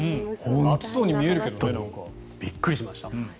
暑そうに見えるけどね。びっくりしました。